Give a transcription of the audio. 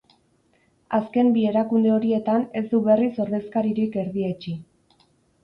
Azken bi erakunde horietan ez du berriz ordezkaririk erdietsi.